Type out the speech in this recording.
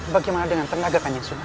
bagaimana dengan tenaga